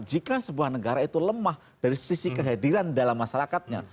jika sebuah negara itu lemah dari sisi kehadiran dalam masyarakatnya